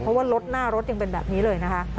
เพราะว่ารถหน้ารถยังเป็นแบบนี้เลยนะคะ